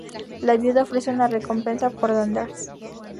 La viuda ofrece una recompensa por Landers.